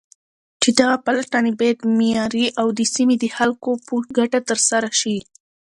چې دغه پلټنې بايد معياري او د سيمې د خلكو په گټه ترسره شي.